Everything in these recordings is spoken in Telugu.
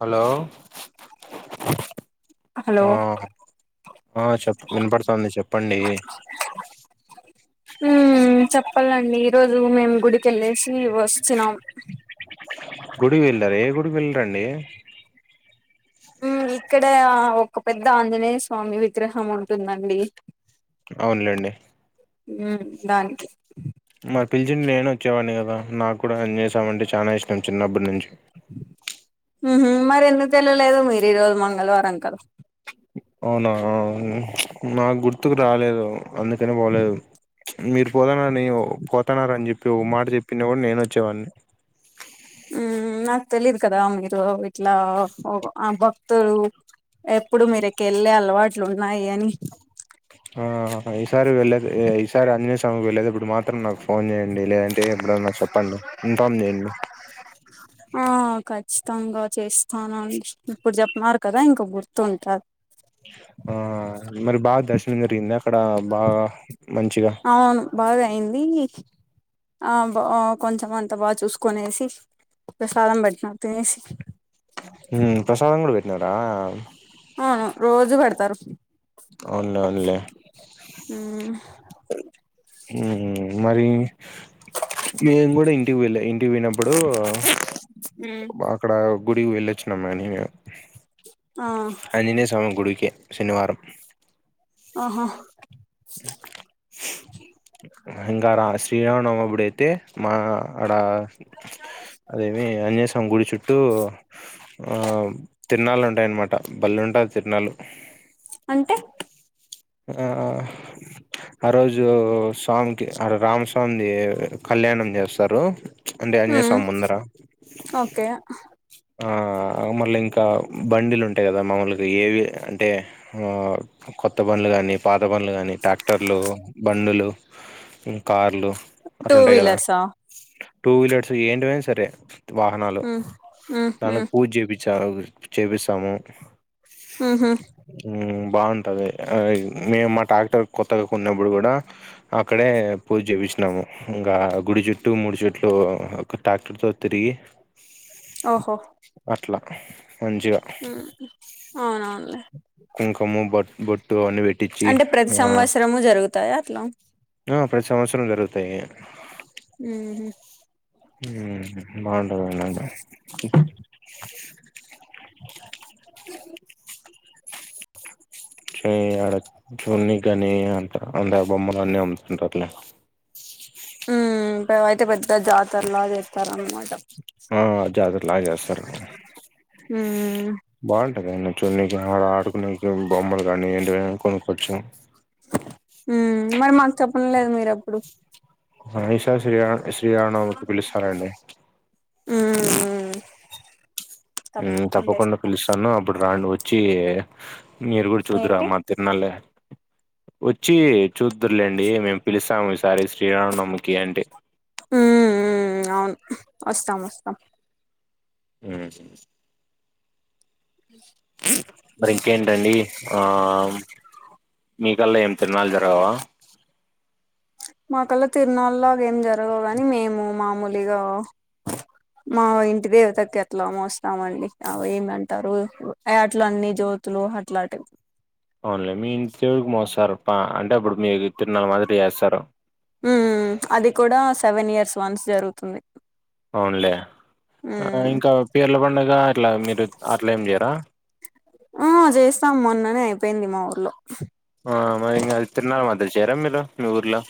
హలో హలో ఆ ఆ చెప్ వినపడతాంది చెప్పండీ చెప్పలండీ ఈరోజు మేము గుడికి ఎల్లేసి వొస్ చినం. గుడి వెళ్లర ఏ గుడి వెల్ర్ అండీ. వు ఇక్కడ ఒక పెద్ద ఆంజనేయ స్వామి విగ్రహం ఉంటుంది అండీ. అవునులేండి. ఉ దానికి. మరి పిలిచిన్ నేను వొచ్చేవాడ్ని గదా, నాకు కూడా ఆంజనేయ సామీ అంటే చానా ఇష్టం, చిన్నప్పటి నుంచి. ఉహు మరి ఎందుకు తెల్వలేదు మీరు ఈ రోజు మంగళవారం కద. అవునా అవును ప్చ్ నాకు గుర్తుకు రాలేదు అందుకని పోలేదు. ప్చ్ మీరు పోతానని ఓ పోతనార అని చెప్పి ఓ మాట చెప్పిన గుడా నేను వొచ్చేవాడిని. మ్ నాకు తెలీదు కదా మీరు ఇట్లా ఆ ఆ భక్తులు. ఎప్పుడు మీరేకి వెళ్ళే అలవాట్లు ఉన్నాయి అని. ఆ ఈసారి వెళ్లేేది ఈసారి ఆంజనేయ స్వామి కి వెళ్లేేది ఎప్పుడు మాత్రం నాకు ఫోన్ చేయండి, లేదంటే ఎప్పుడన్నా చెప్. ప్పండి ఇన్ఫమ్ చేయండి. ఆ కచ్చితంగా చేస్తానని ఇప్పుడు చెప్నారు కదా ఇంక గుర్తుంటది. ఆ మరి బాగా దర్శనం జరిగింద అక్కడ బాగా మంచిగా. అవును బాగా అయింది ఆ బా కొంచెం అంత బాగా చూసుకొనేసి. ప్రసాదం పెట్నారు తినేసి. ఉ ప్రసాదం గుడా బెట్నారా. అవును రోజు పెడ్తరు. అవునులే అవునులే. ఉ. పహు మరి. నేను గుడా ఇంటికి వెళ్లే ఇంటికి పోయినప్పుడు. ఉ. అక్కడ గుడికి వెళ్ళొచ్చినమ్ మని [unintelligible] ఆ ఆంజనేయ స్వామి గుడికి. శనివారం. ఆహా. ఇంకా రా శ్రీరామనవమి అప్పుడు అయితే మా అడ. అదేమీ ఆంజనేయ స్వామి గుడి చుట్టు. ఆ తిరన్నాలు ఉంటాయనమాట బల్లే ఉంటాది తిరన్నాలు. అంటె. ఆ ఆ అరోజు స్వామికి రామ్స్. కొంది కళ్యాణం చేస్తారు. అంటె ఆంజనేయ మ్మ్ స్వామి ముందర. ఓకే ఆ మళ్ళి ఇంక బండిలు ఉంటయ్ గదా మాములుగ ఏవి అంటే. ఆ కొత్. బండ్లు గానీ పాత బండ్లు డానీ ట్రాక్టర్లు బండులు కార్లు. టూ గట్లుంటయి గదా వీలర్సా టూ వీలర్స్ ఏంటివైన సరే. వాహనాలు మ్మ్ మ్మ్ దాన్లకి మ్మ్ పూజ చేపిచారు చేపిస్తాము. ఊహు. బావుంటది మేము మా ట్రాక్టర్ కొత్తగ కొన్నప్పుడు కూడ. అక్కడే పూజ చేపిచినాము ఇంగా గుడి చుట్టూ మూడు చుట్లు. ట్రాక్టర్తో తిరిగి. ఓహొ. అట్ల మంచిగా ఉమ్ అవునవునులే కుంకము బొట్ బొట్టు అని వె అంటే ప్రతి సంవత్సరమూ జరుగుతాయా అట్లా ఆ ప్రతి సంవత్సరం జరుగుతాయి ఊహూ ఊహూ బావుంటది అనమాట చుమ్ ఆడ చూన్నీ కనీ అంతా అందా బొమ్మలు అన్నీ అమ్ముతుంటారులే ఇంకా అయితే పెద్ద జాతరలా చేత్తారు అనమాట ఆ జాతర లాగా చేస్తారు మ్మ్ బావుంటాదైనా చూడనీకి ఆడ ఆడుకునేకి బొమ్మలు కానీ ఏంటివైనా కొనుక్కొచ్చు ఉమ్ మరి మాకు చెప్పనే లేదు మీరు అప్పుడు హా ఈసారి శ్రీరామ్ శ్రీరామనవమికి పిలుస్తారండి ఊ ఊమ్ తప్పకుండా పిలుస్తాను అప్పుడు రాండి వచ్చి మీరు గూడ చూద్దురు ఆ ఏంటి అమ్మన్ తిరునాల్లే వచ్చి చూద్దురులేండి మేము పిలుస్తాము ఈసారి శ్రీరామనవమికి అంటి ఊ ఊ అవును వస్తాం వస్తాం ఊ ఊ మరి ఇంకేంటండి ఆ మీకల్ల ఏం తిరనాలు జరగవా మాకల్ల తిరునాళ్ళు లాగా ఏం జరగవు గానీ మేము మామూలు ఇగ మా ఇంటి దేవతకి అట్లా మోస్తామండి అవి ఏమంటరు అ అట్ల అన్నీ జోతులు అట్లాటివ్ అవున్లే మీ ఇంటి దేవుడికి మోస్తారు ప అంటే అప్పుడు మీకు తిరున్నాల మాదిరి చేస్తారు ఊ ఊ అది కూడా సెవెన్ ఇయర్స్ వన్స్ జరుగుతుంది అవునులే ఉమ్ ఇంకా పీర్ల పండగ అట్ల మీరు అట్లేం జేయరా ఆ జేస్తాం మొన్ననే అయిపోయింది మా ఊర్లో ఆ మరి ఇంగ ఆది తిరునాళ్ళమాదిరి చెయ్యరా మీలు మీ ఊర్లో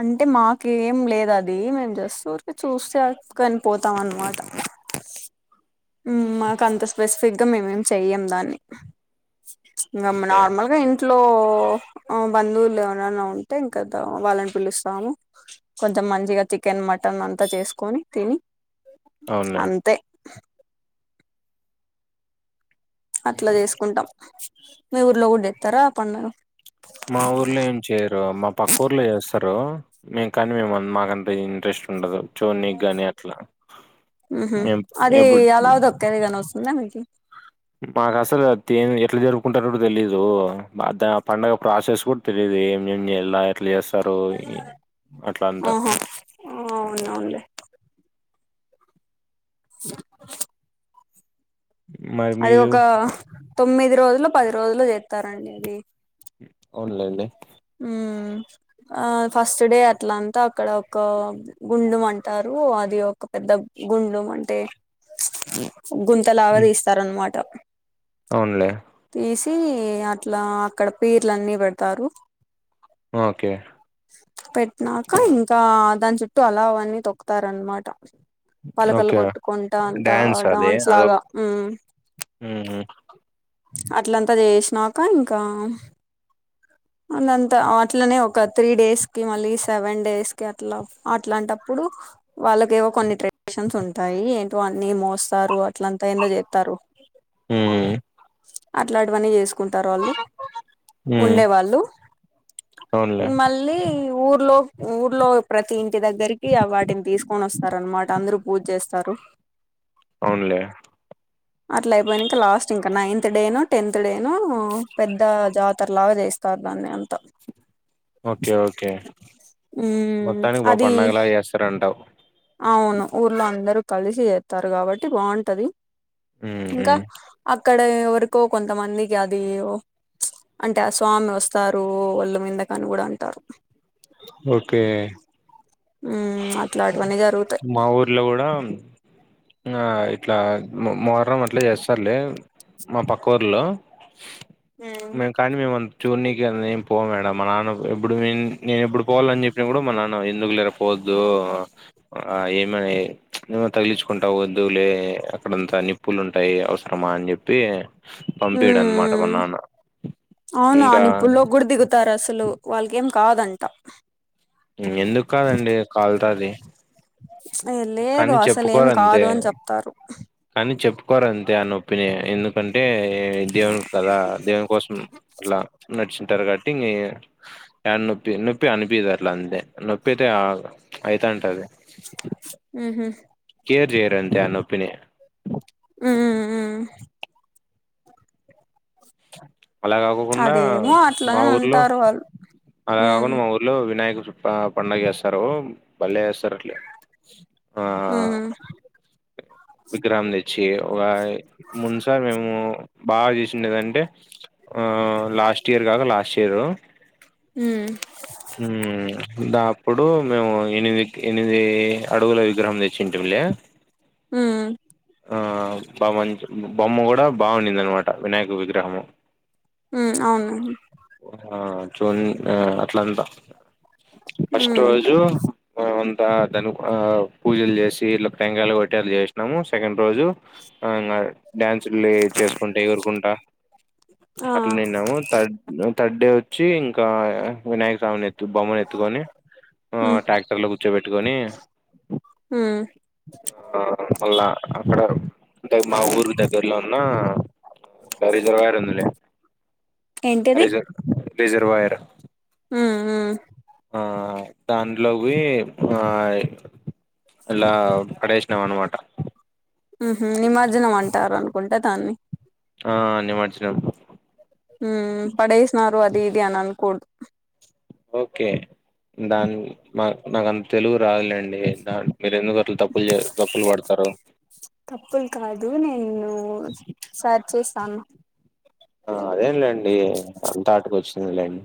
అంటే మాకేం లేదు అది మేం జస్ట్ ఉరికే చూసేక్ అ కని పోతాం అనమాట ఉమ్ మాకు అంత స్పెసిఫిక్ గా మేమేం చెయ్యం దాన్ని ఇంగ మ్ అవునులే నార్మల్గా ఇం ట్లో అ బంధువులు ఎవరన్నా ఉంటే ఇంక దా వాళ్ళని పిలుస్తాము కొంచెం మంచిగా చికెన్ మటన్ అంతా చేసుకొని తిని అవునులే అంతే అట్ల చేసుకుంటాం మీ ఊర్లో కూడా జేత్తరా ఆ పండుగ మా ఊర్లో ఏం చెయ్యరు మా పక్క ఊర్లో చేస్తారు మేం కానీ మేమన్ మాకంత ఇంట్రెస్ట్ ఉండదు చూడనీకి గానీ అట్లా ఉహు మేం ఎబుడ్ ఉందా మీకి మాకు అసలు తి ఎట్లా జరుపుకుంటారో కూడా తెలీదు మా దా పండగ ప్రసెస్ గూ తెలీదు ఏం ఏం జెయ్యలా ఎట్లా చేస్తారు అట్ల అంతా ఆహా అవునవునులే మరి అది మీరు ఒక తొమ్మిది రోజులో పది రోజులో జేత్తారండి అది అవునులేండి ఉమ్ ఆ ఫస్ట్డే అట్ల అంత అక్కడ ఒక గుండం అంటారు అది ఒక పెద్ద గుండం అంటే గుంతలాగ తీస్తారన్మాట ఉన్లే తీసీ అట్లా అక్కడ పీర్లన్నీ పెడ్తారు ఓకే పెట్నాక ఇంకా దాని చుట్టూ అలావ్ అని తొక్కుతారన్మాట పలకల్ ఓకే కొట్టుకుంట అంత డాన్స్ లాగా ఉమ్ ఊమ్ అట్లంత చేశినాక ఇంకా అందంత అట్లనే ఒక త్రీ డేస్కి మళ్ళీ సెవెన్ డేస్కి అట్ల అట్లాంటప్పుడు వాళ్ళకేవో కొన్ని ట్రెడిషన్స్ ఉంటాయి ఏంటో అన్ని మోస్తారు అట్లంతా ఏందో చేత్తారు ఊమ్ అట్లాంటివన్నీ చేస్ కుంటారు వాళ్ళు ఉమ్. ఉండే వాళ్ళు అవునులే మళ్ళీ ఊర్లో ఊర్లో ప్రతి ఇంటి దగ్గరికి వాటిని తీస్కోని వస్తారన్మాట అందరూ పూజ చేస్తారు అవున్లే అట్లైపోయినంక లాస్ట్ ఇంక నైన్త్ డేనొ టెనో పెద్ద జాతర లాగా జేస్తారు దాన్ని అం ఓకే ఓకే ఉమ్ మొత్తానికి బాగా అది పండగలాగా చేస్తరంటవ్ అవును ఊర్లో అందరూ కలిసి చెత్తారు కాబట్టి బాగుంటది ఉమ్, ఇంకా ఉమ్. అక్కడ ఎవర్కో కొంతమందికి అది అంటే ఆ స్వామోస్తారు ఒళ్ళు మిందకని కూడ అంటారు ఓకే ఉమ్ అట్లాంటివన్నీ జరుగుతాయి ఇళ్ల కూడా ఇంగా ఇట్లా మో మొహర్రం అట్ల చేస్తారులే మా పక్కఊర్లో మేం కానీ మేమ చూన్నీకే మేం పోవడం మా నాన్న ఎప్పుడు ఏం నేనెప్పుడు పోవాలని చెప్పిన కూడ మా నాన్న ఎందుకు లేర పోవద్దు ఆ ఏమని తగిలిచ్చుకుంటవ్ ఎందుకులే పోవద్దులే అక్కడంతా అన్ని పుల్లుంటయి అవసరమా అని చెప్పి పంపియడన్మాట మా మ్మ్ నాన్న అవును ఆ ఇంకా నిప్పుల్లో [unintelligible] అసలు వాళ్ళకేం కాదంట ఎందుకు కాదండి కాల్తది ఏ లేదు అసలేం చెప్పుకోరు అంతే కాదు అని చెప్తారు కానీ చెప్పుకోరంతే ఆ నొప్పిని ఎందుకంటే దేవునికి కదా దేవుని కోసం అట్లా నడుచుంటారు కాబట్టి ఆ నొప్పి నొప్పి అనిపియదట్ల అంతే నొప్పైతే అయితాంటది ఉంహుం కేర్ చేయరండి ఆ నోప్పినీ ఉం ఉం ఉం ఉం అలా కాకుండా అదేమో మా అట్లనే ఊర్లో అంటారు వాళ్ళు అలా మ్మ్ కాకుండా మా ఊ ర్లో వినాయకు పండగ చేస్తారు బలె చేసారట్లే ఆ మ్మ్ విగ్రహం తెచ్చి ఒక ముందుసారి మేము బాగా జేసుండేదంటే ఆ లాస్ట్ ఇయర్ గాకా లాస్ట్ ఇయరు హుహ్ ఉమ్ దా అప్పుడు మేము ఎనిమిది ఎనిమిది అడుగుల విగ్రహం తెచ్చింటింళ్ళే ఉమ్ ఆ బవం బొమ్మ కూడా బాగుండింది అన్మాట వినాయకుని విగ్రహము ఉ ఔను ఆ జూన్ అ అట్లంటా ఫస్ట్ మ్మ్ రోజు ఆ అంతా దాని ఆ పూజలు చేసి ఇట్లా టంగాయలు కొట్టి అలా చేస్నాము సెకండ్ రోజు ఆ నా డ్యాన్సుల్లే చేస్కుంటే ఎగురుకుంటా ఆ అట్లా నిన్నాము థడ్ థర్డ్ డే ఒచ్చి ఇంకా వినాయక స్వామిని తు బొమ్మ నీ ఎత్తుకొని ఆ మ్మ్ ట్రాక్టర్ లో కూర్చో బెట్టుకొని మ్మ్ ఆ మళ్ళా అక్కడ ఇంక మా ఊరు దగ్గర్లో ఉన్న రిజర్వాయర్ ఉందిలే ఆ ఏంటిది రిజర్ రిజర్వాయర్ ఉ ఉ హా దాంట్లోక్వోయ్ ఆ ఇల్లా పడేస్నా అనమాట ఉహు నిమజ్జనం అంటారు అనుకుంట దాన్ని ఆ నిమర్జనం హు పడేస్నారు అదీదిఅని అన్కూడ్దూ ఓకే దాన్ని న నాకంత తెలుగు రాదులేండి దా మీరెందుకట్లా తప్పులు చే తప్పులు పడ్తారూ తప్పులు కాదు నేను సరిచేసాను ఆ అదేలేండి అంతా ఆటకొచ్చిందిలేండి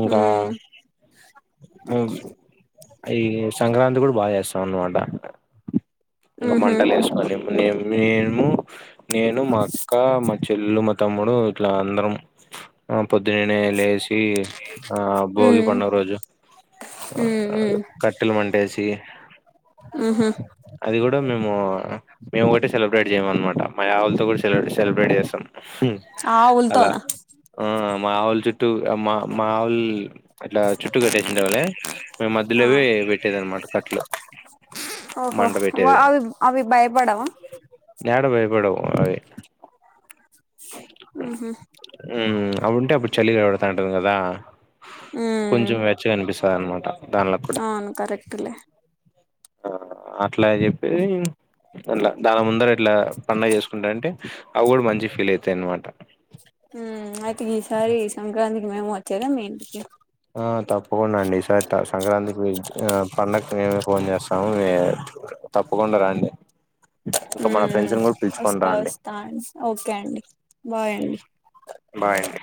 ఇంకా ఉమ్ ఉ అ ఈ సంక్రాంతి కూడా బాగా చేస్తాం అన్నమాట ఇంగ ఉహు మంటలేస్కోని మే మేము నేను మా అక్క మా చెల్లు మా తమ్ముడు ఇట్లా అందరం ఆ పొద్దుననే లేసి ఆ భోగి పండుగ రోజు ఉ ఉ కట్టెలు మంటేసి ఉహు అది కూడా మేము మేము ఒకటి సెలబ్రేట్ చేయము అన్మాట మా యావుల్తో కూడా సెలబ్రేట్ చేస్తాం హు అలా ఆవులతోనా ఆ మావోలు చుట్టూ మా మావుల్ ఇట్లా చుట్టు కట్టేసుండాంలే మధ్యలోవి పెట్టేది అనమాట కట్లు ఓహో మంట వా పెట్టేది అవి అవి భయపడవా యాడ భయపడవు అవీ ఉహు ఉ అవుంటే అప్పుడు చలిగా వెడ్తాంటది కదా కొంచం వెచ్చ అనిపిస స అన్మాట ఔను కరెక్టే లే ఆ అట్లా చెప్పి అట్లా దాని ముందర ఇట్లా పండగ చేస్కుంటాంటే అవి గూడా మంచి ఫీలైతదన్మాట హు అయితే గీసారి ఈ సంక్రాంతికి మేము వచ్చేదా మీ ఇంటికి ఆ తప్పకుండా అండి ఈ సారి సంక్రాంతికి పోయి పండగ నేనే ఫోన్ చేస్తాను మీరు తప్పకుండా రండి ఇంకా మన ఉమ్ ఫ్రెండ్స్ని కూడా పిలుచుకొని వస్తా రండి వస్తా అండి ఓకే అండి బాయ్ అండి బాయ్ అండి